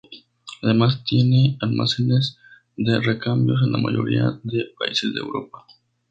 Además, tiene almacenes de recambios en la mayoría de países de Europa.